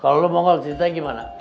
kalau lu mongol ceritanya gimana